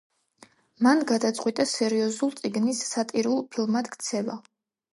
მან გადაწყვიტა სერიოზულ წიგნის სატირულ ფილმად ქცევა.